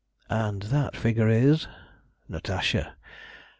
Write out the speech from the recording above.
"And that figure is?" "Natasha.